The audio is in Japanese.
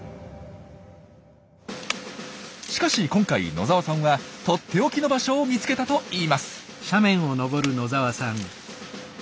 しかし今回野澤さんはとっておきの場所を見つけたといいます。